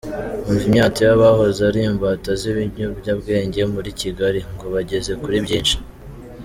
Umva imyato y’abahoze ari imbata z’ibiyobyabwenge muri Kigali, ngo bageze kuri byinshi.